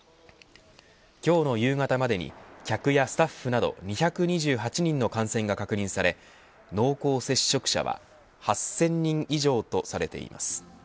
今日の夕方までに客やスタッフなど２２８人の感染が確認され濃厚接触者は８０００人以上とされています。